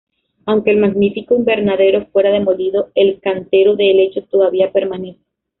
Aunque el magnífico invernadero fuera demolido, el cantero de helechos todavía permanece.